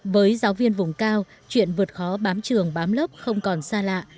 với giáo viên vùng cao chuyện vượt khó bám trường bám lớp không còn xa lạ